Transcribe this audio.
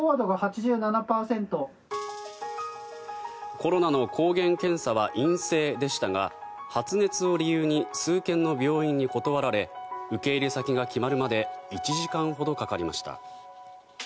コロナの抗原検査は陰性でしたが発熱を理由に数件の病院に断られ受け入れ先が決まるまで１時間ほどかかりました。